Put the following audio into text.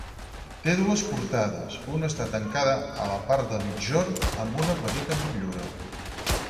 Té dues portades, una està tancada a la part de migjorn amb una petita motllura.